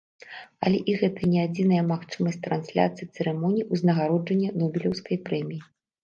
Але і гэта не адзіная магчымасць трансляцыі цырымоніі ўзнагароджання нобелеўскай прэміі!